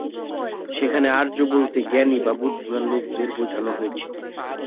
সেখানে আর্য বলতে জ্ঞানী বা বুদ্ধিমান লোকদের বোঝানো হয়েছে।